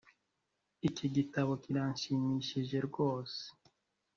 iki gitabo kirashimishije rwose.